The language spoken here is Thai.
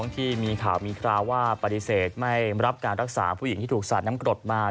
ที่มีข่าวมีคราวว่าปฏิเสธไม่รับการรักษาผู้หญิงที่ถูกสาดน้ำกรดมา